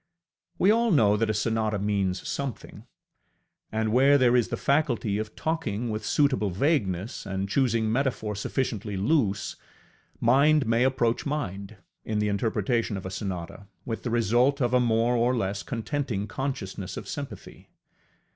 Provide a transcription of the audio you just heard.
We all know that a sonata means something; and where there is the faculty of talking with suitable vagueness, and choosing metaphor sufficiently loose, mind may approach mind, in the interpretation of a sonata, with the result of a more or less contenting consciousness of sympathy.